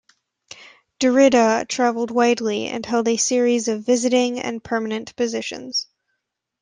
Derrida traveled widely and held a series of visiting and permanent positions.